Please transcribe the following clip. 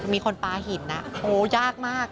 มีคนปลาหินอ่ะโอ้ยยากมาก